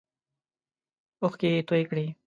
اوښکې یې تویی کړې.